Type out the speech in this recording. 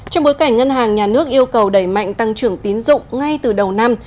trong bối cảnh ngân hàng nhà nước yêu cầu đẩy mạnh tăng trưởng tín dụng ngay từ đầu năm